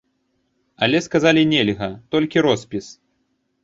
Але сказалі, нельга, толькі роспіс.